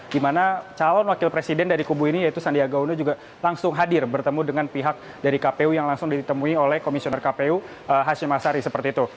dimana calon wakil presiden dari kubu ini yaitu sandiaga uno juga langsung hadir bertemu dengan pihak dari kpu yang langsung ditemui oleh komisioner kpu hashim ashari seperti itu